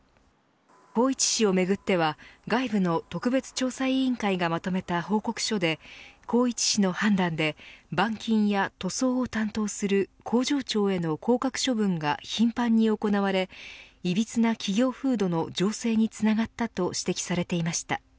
宏一氏をめぐっては外部の特別調査委員会がまとめた報告書で宏一氏の判断で板金や塗装を担当する工場長への降格処分が頻繁に行われいびつな企業風土の醸成につながったと指摘されていました。